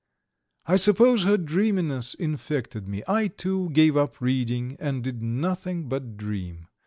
I suppose her dreaminess infected me. I, too, gave up reading, and did nothing but dream.